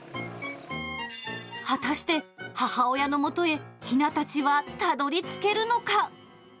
果たして、母親のもとへひなたちはたどりつけるのか。